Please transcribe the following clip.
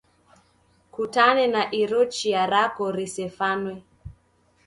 Kutane na iro chia rako risefwane.